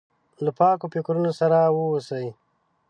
له پاکو فکرونو سره واوسي.